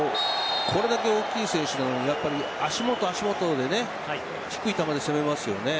これだけ大きい選手なのに足元、足元で低い球で攻めますよね